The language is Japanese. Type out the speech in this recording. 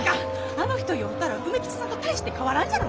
あの人酔うたら梅吉さんと大して変わらんじゃろ。